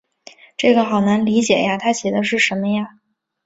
这个好难理解呀，她写的是什么呀？